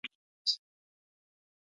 د شکر کنټرول د پلی تګ سره اسانه دی.